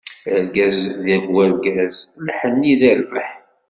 Argaz deg urgaz, lḥenni di rrbeḥ.